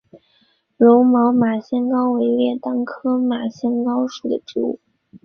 柔毛马先蒿为列当科马先蒿属的植物。